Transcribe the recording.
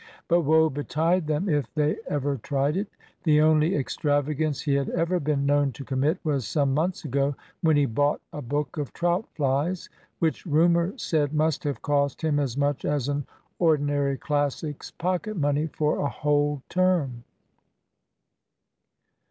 But woe betide them if they ever tried it! The only extravagance he had ever been known to commit was some months ago, when he bought a book of trout flies, which rumour said must have cost him as much as an ordinary Classic's pocket money for a whole term.